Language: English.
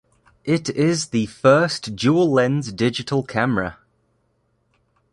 It is the first dual lens digital camera.